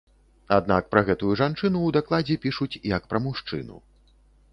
Аднак пра гэтую жанчыну ў дакладзе пішуць, як пра мужчыну.